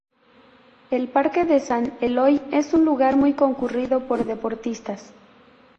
El Parque de San Eloy es un lugar muy concurrido por deportistas.